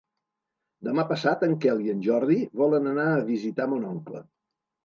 Demà passat en Quel i en Jordi volen anar a visitar mon oncle.